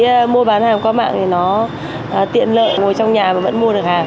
khi mua bán hàng qua mạng thì nó tiện lợi ngồi trong nhà mà vẫn mua được hàng